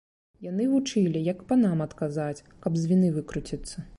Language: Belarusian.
Яны вучылі, як панам адказаць, каб з віны выкруціцца.